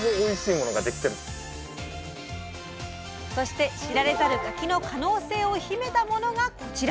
そして知られざる柿の可能性を秘めたものがこちら。